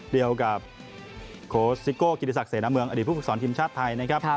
เดียวกับโค้ชซิโก้กิติศักเสนาเมืองอดีตผู้ฝึกสอนทีมชาติไทยนะครับ